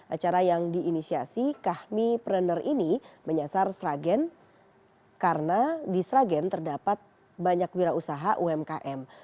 acara yang diinisiasi kahmi pruner ini menyasar sragen karena di sragen terdapat banyak wira usaha umkm